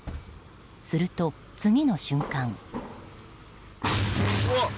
すると、次の瞬間。